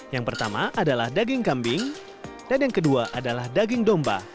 yang pertama adalah daging kambing dan yang kedua adalah daging domba